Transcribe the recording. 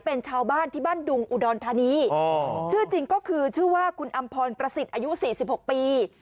เป็นชาวบ้านที่บ้านดุงอุดรธานีชื่อจริงก็คือชื่อว่าคุณอำพรประสิทธิ์อายุ๔๖ปี